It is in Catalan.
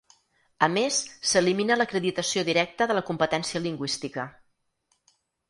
A més, s’elimina l’acreditació directa de la competència lingüística.